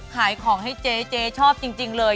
ขายของให้เจ๊เจ๊ชอบจริงเลย